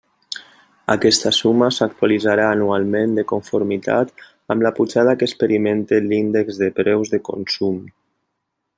Aquesta suma s'actualitzarà anualment de conformitat amb la pujada que experimente l'índex de preus de consum.